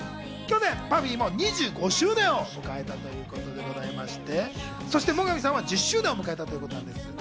去年、ＰＵＦＦＹも２５周年を迎えたということでございまして、そして最上さんは１０周年を迎えたそうなんです。